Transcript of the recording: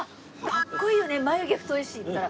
「かっこいいよね眉毛太いし」って言ったら。